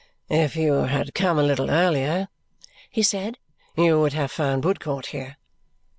"If you had come a little earlier," he said, "you would have found Woodcourt here.